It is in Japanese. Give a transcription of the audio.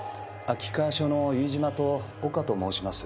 秋川署の飯島と岡と申します。